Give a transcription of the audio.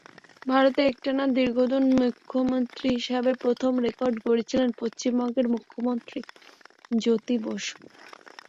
ভারতে একটানা দীর্ঘদিন মুখ্যমন্ত্রী হিসেবে প্রথম রেকর্ড গড়েছিলেন পশ্চিমবঙ্গের মুখ্যমন্ত্রী জ্যোতি বসু।